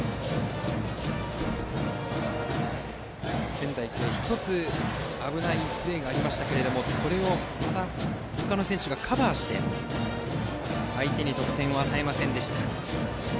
仙台育英は１つ危ないプレーがありましたがそれをまた他の選手がカバーして相手に得点を与えませんでした。